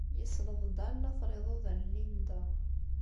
Yesleḍ Dan later n yiḍudan n Linda.